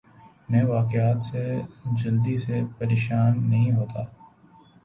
میں واقعات سے جلدی سے پریشان نہیں ہوتا